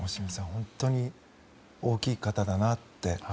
本当に大きい方だなと。